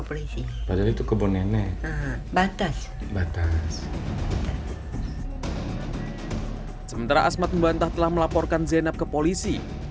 polisi pada itu kebun nenek batas batas sementara asmat membantah telah melaporkan zainab ke polisi